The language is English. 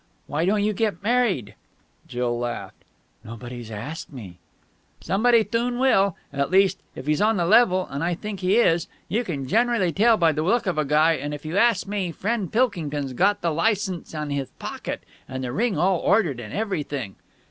"Why don't you get married?" Jill laughed. "Nobody's asked me." "Somebody thoon will. At least, if he's on the level, and I think he is. You can generally tell by the look of a guy, and, if you ask me, friend Pilkington's got the licence in hith pocket and the ring all ordered and everything."